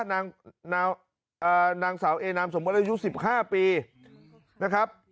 นางสาวเอนามสมมุติอายุ๑๕ปีนะครับ